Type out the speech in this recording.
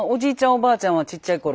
おばあちゃんはちっちゃいころ